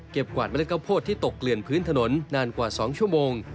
กวาดเล็ดข้าวโพดที่ตกเกลื่อนพื้นถนนนานกว่า๒ชั่วโมง